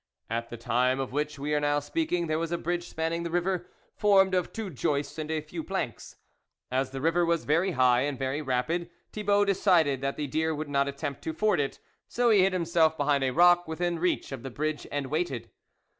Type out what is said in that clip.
At the time of which we are now speaking there was a bridge spanning the river, formed of two joists and a few planks. As the river was very high and very rapid, Thibault decided that the deer would not attempt to ford it ; THE WOLF LEADER so he hid himself behind a rock, within reach of the bridge, and waited.